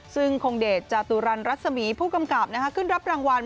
ซึ่งคงเดชจาตุรันรัศมีผู้กำกับขึ้นรับรางวัล